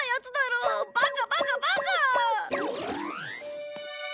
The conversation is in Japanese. バカバカバカ！